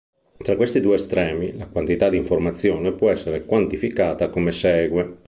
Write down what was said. Tra questi due estremi, la quantità di informazione può essere quantificata come segue.